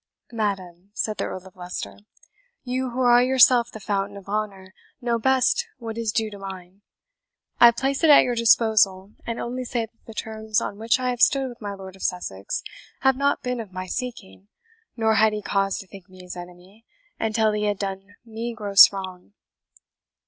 "Madam," said the Earl of Leicester, "you who are yourself the fountain of honour know best what is due to mine. I place it at your disposal, and only say that the terms on which I have stood with my Lord of Sussex have not been of my seeking; nor had he cause to think me his enemy, until he had done me gross wrong."